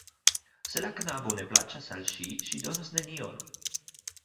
Se la knabo ne plaĉas al ŝi, ŝi donas nenion.